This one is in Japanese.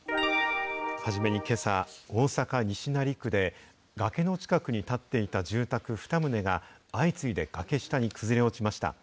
初めにけさ、大阪・西成区で、崖の近くに建っていた住宅２棟が相次いで崖下に崩れ落ちました。